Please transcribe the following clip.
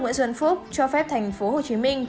nguyễn xuân phúc cho phép tp hcm